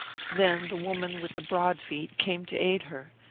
Then the woman with the broad feet came to aid her.